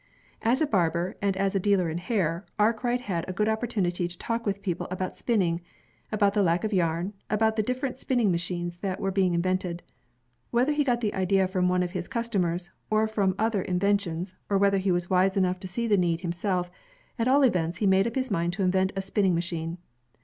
'' As a barber and as a dealer in hair, Arkwright had a good opportimity to talk with people about spinning, about the lack of yarn, and about the different spinning machines that were being invented. Whether he got the idea from one of his customers, or from other inventions, or whether he was wise enough to see the need himself, at all events, he made up his mind to invent a spinning machine.